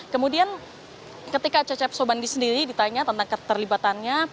kemudian ketika cecep sobandi sendiri ditanya tentang keterlibatannya